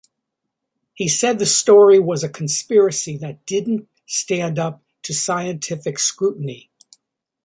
He said the story was a conspiracy that "didn't stand up" to scientific scrutiny.